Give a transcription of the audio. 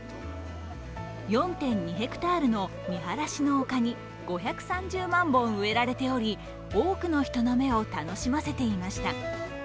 ４．２ｈａのみはらしの丘に５３０万本植えられており、多くの人の目を楽しませていました。